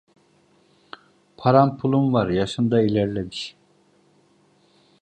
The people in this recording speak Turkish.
Paran pulun var, yaşın da ilerlemiş.